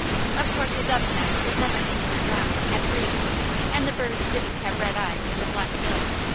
Of course a dove's nest was never deep, and round, and green, and the bird didn't have red eyes and a black bill.